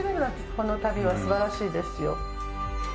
この旅はすばらしいですよ。